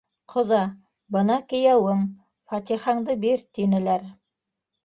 — Ҡоҙа, бына кейәүең, фатихаңды бир, — тинеләр.